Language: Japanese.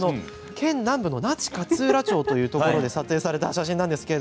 県南部の那智勝浦町で撮影された写真です。